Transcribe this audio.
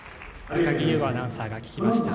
高木優吾アナウンサーが聞きました。